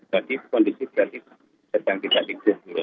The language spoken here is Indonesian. jadi kondisi berarti tetap kita tidur dulu